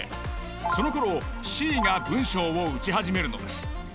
そのころＣが文章を打ち始めるのです。